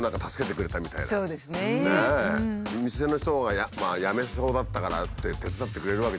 店の人がやめそうだったからって手伝ってくれるわけじゃん。